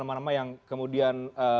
nama nama yang kemudian